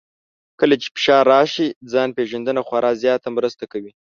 کله چې فشار راشي، ځان پېژندنه خورا زیاته مرسته کوي.